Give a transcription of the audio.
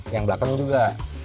yang belakang juga